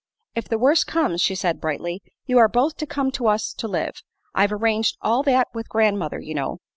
"If the worst comes," she said, brightly, "you are both to come to us to live. I've arranged all that with grandmother, you know.